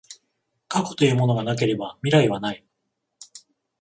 過去というものがなければ未来はない。